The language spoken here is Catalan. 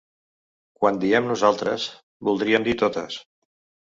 Quan diem nosaltres, voldríem dir totes.